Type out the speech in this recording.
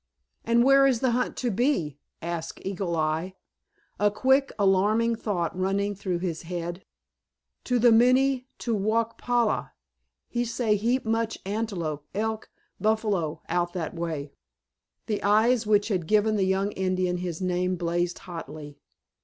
"And where is the hunt to be?" asked Eagle Eye, a quick alarming thought running through his head. "To the Minne to wauk pala. He say heap much antelope, elk, buffalo out that way." The eyes which had given the young Indian his name blazed hotly.